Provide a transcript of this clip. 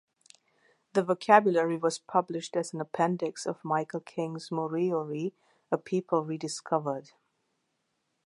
The vocabulary was published as an appendix of Michael King's "Moriori: A People Rediscovered".